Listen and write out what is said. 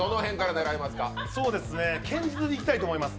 堅実に狙いたいと思います